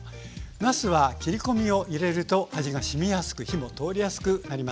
なすは切り込みを入れると味がしみやすく火も通りやすくなります。